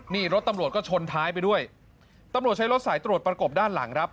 นี่รถตำรวจก็ชนท้ายไปด้วยตำรวจใช้รถสายตรวจประกบด้านหลังครับ